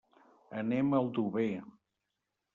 Anem a Aldover.